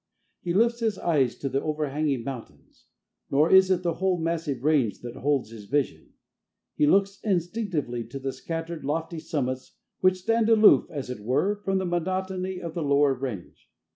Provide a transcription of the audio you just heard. He lifts his eyes to the overhanging mountains. Nor is it the whole massive range that holds his vision. He looks instinctively to the scattered, lofty summits which stand aloof as it were from the monotony of the lower range.